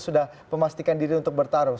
sudah memastikan diri untuk bertarung